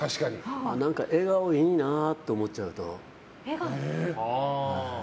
笑顔がいいなと思っちゃうと。